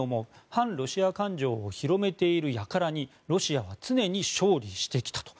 反ロシア感情を広めているやからにロシアは常に勝利してきたと。